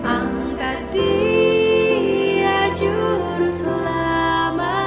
angkat dia hingga nyata pada yang hampir mati